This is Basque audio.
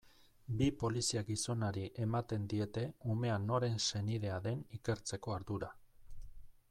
Bi polizia-gizonari ematen diete umea noren senidea den ikertzeko ardura.